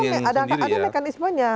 yang sendiri ya ada mekanismenya